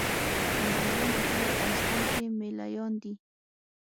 کندهاريان په ټول افغانستان کښي مېله يان دي.